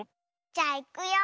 じゃあいくよ。